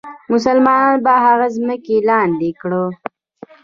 مسلمانان به هغه ځمکې لاندې کړي.